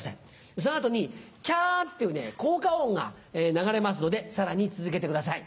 その後に「キャ！」っていう効果音が流れますのでさらに続けてください。